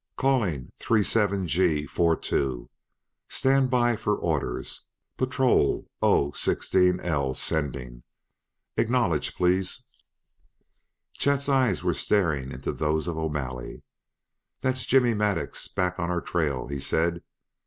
"Calling three seven G four two! Stand by for orders! Patrol O sixteen L sending; acknowledge, please!" Chet's eyes were staring into those of O'Malley. "That's Jimmy Maddux back on our trail," he said.